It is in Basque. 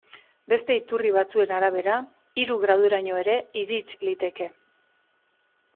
Beste iturri batzuen arabera, hiru graduraino ere irits liteke.